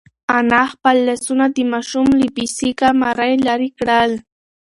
انا خپل لاسونه د ماشوم له بې سېکه مرۍ لرې کړل.